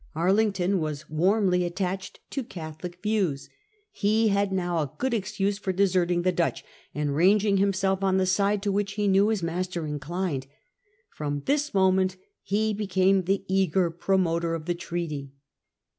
Arlington was warmly attached to Catholic views. He had now a good excuse for deserting the Dutch, and ranging himself on the side to which he knew his master inclined. From this moment he became the eager promoter of the treaty.